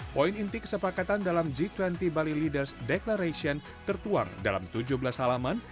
poin inti kesepakatan dalam g dua puluh bali leaders declaration tertuang dalam tujuh belas halaman